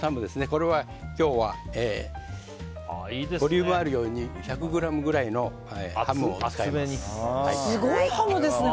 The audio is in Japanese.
これは今日はボリュームがあるように１００ｇくらいのすごいハムですね！